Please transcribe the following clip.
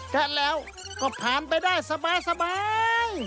ถ้าแล้วก็ผ่านไปได้สบาย